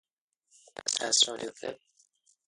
The court decides in panels composed by three or five judges.